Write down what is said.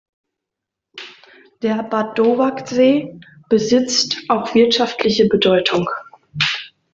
Der Badovac-See besitzt auch wirtschaftliche Bedeutung.